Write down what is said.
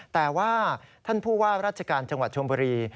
แต่ว่าท่านผู้ว่าราชการจังหวัดชมบุรี